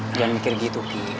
jangan mikir gitu ki